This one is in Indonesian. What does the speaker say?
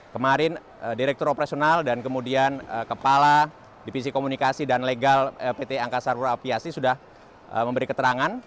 kemarin direktur operasional dan kemudian kepala divisi komunikasi dan legal pt angkasa pura aviasi sudah memberi keterangan